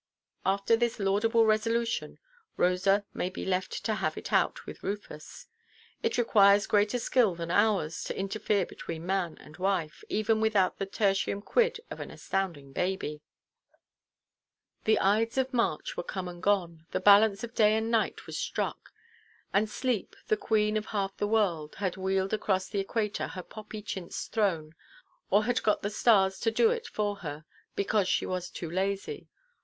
After this laudable resolution, Rosa may be left to have it out with Rufus. It requires greater skill than ours to interfere between man and wife, even without the tertium quid of an astounding baby. The ides of March were come and gone, the balance of day and night was struck; and Sleep, the queen of half the world, had wheeled across the equator her poppy–chintzed throne, or had got the stars to do it for her, because she was too lazy.